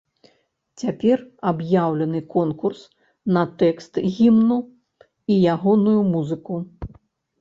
Цяпер аб'яўлены конкурс на тэкст гімну і ягоную музыку.